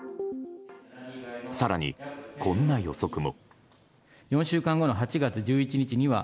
更に、こんな予測も。